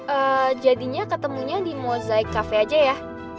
eee jadinya ketemunya di mozaik cafe aja ya